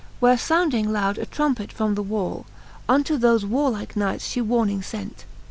Where founding loud a trumpet from the wall. Unto thofe warlike knights fhe warning fent.